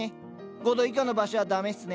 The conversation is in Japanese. ５度以下の場所は駄目っすね。